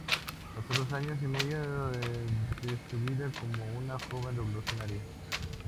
Pasó dos años y medio de su vida como una joven revolucionaria.